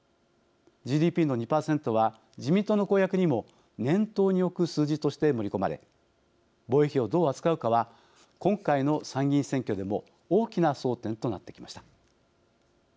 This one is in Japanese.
ＧＤＰの２％は自民党の公約にも念頭におく数字として盛り込まれ防衛費をどう扱うかは今回の参議院選挙でも大きな争点となってきました。